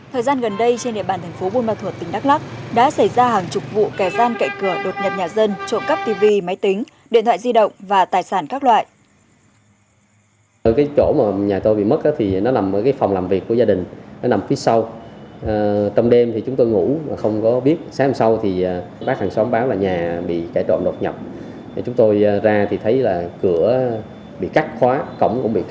thời gian gần đây trên địa bàn tp bumathua tỉnh đắk lắc đã xảy ra hàng chục vụ kẻ gian cậy cửa đột nhập nhà dân trộm cắp tv máy tính điện thoại di động và tài sản các loại